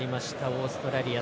オーストラリア。